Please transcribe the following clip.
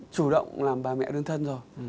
chủ động làm bà mẹ đơn thân rồi